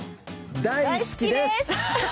大好きです。